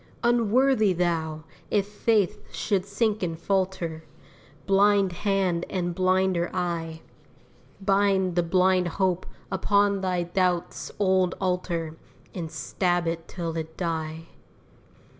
Unworthy thou! if faith should sink and falter; Blind hand and blinder eye Bind the blind hope upon thy doubt's old altar And stab it till it die.